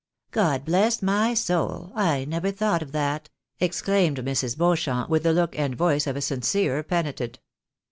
" God bless my soul ! I never thought of that !" exclaimed Mrs. Beauchamp, with the look and voice of a sincere penitent.